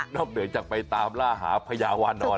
เหนือจากไปตามล่าหาพญาวานอน